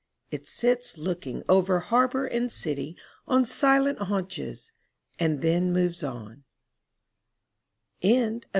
It sits looking over harbor and city on silent haunches and then moves on '^^i^"^ii^!